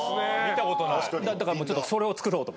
だからそれを作ろうと。